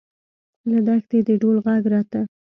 له دښتې د ډول غږ راته.